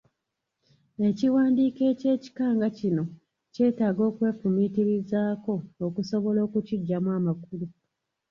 Ekiwandiiko eky’ekika nga kino kyetaaga okwefumiitirizaako okusobola okukiggyamu amakulu.